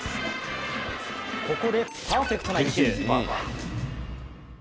ここでパーフェクトな一球！